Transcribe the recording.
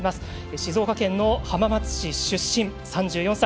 静岡県浜松市出身、３４歳。